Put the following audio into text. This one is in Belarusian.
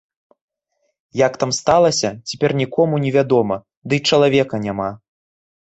Як там сталася, цяпер нікому не вядома, ды чалавека няма.